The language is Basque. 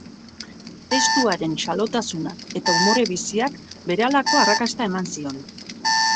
Testu haren xalotasunak eta umore biziak berehalako arrakasta eman zion.